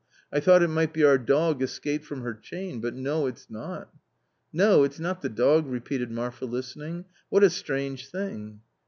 I thought it might be our dog escaped from her chain, but no, it's not." " No, it's not the dog !" repeated Marfa listening. "What a strange thing